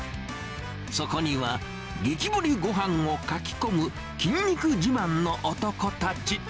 そこには、激盛りごはんをかき込む筋肉自慢の男たち。